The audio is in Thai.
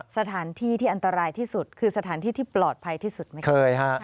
สถานที่ที่อันตรายที่สุดคือสถานที่ที่ปลอดภัยที่สุดไหมครับเคยฮะ